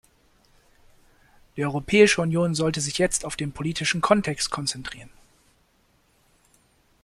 Die Europäische Union sollte sich jetzt auf den politischen Kontext konzentrieren.